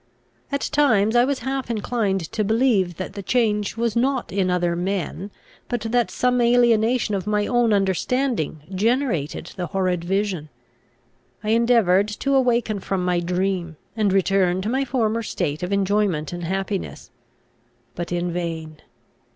At times I was half inclined to believe that the change was not in other men, but that some alienation of my own understanding generated the horrid vision. I endeavoured to awaken from my dream, and return to my former state of enjoyment and happiness; but in vain.